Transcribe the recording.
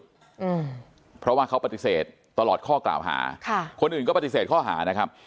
อืมเพราะว่าเขาปฏิเสธตลอดข้อกล่าวหาค่ะคนอื่นก็ปฏิเสธข้อหานะครับ